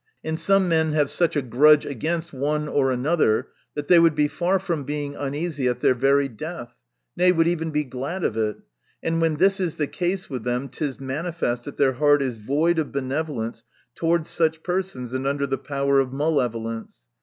And some men have such a grudge against one or another, that they would be far from being uneasy at their very death, nay, would even be glad of it. And when this is the case with them, it is manifest that their heart is void of benevolence towards such persons, and under the power of malevolence.